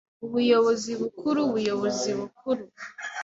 Ubuyobozi Bukuru Ubuyobozi Bukuru